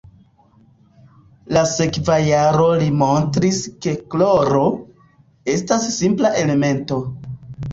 La sekva jaro li montris ke kloro, estas simpla elemento.